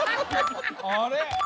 あれ？